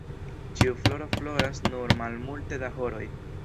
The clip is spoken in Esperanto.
Ĉiu floro floras nur malmulte da horoj.